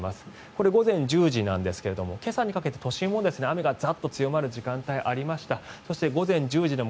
これ午前１０時なんですが今朝にかけて都心も雨が強まる時間帯もありました。